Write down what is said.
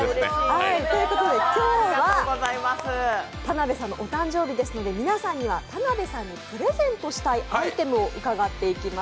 今日は田辺さんのお誕生日ですので、皆さんには田辺さんにプレゼントしたいアイテムを伺っていきます。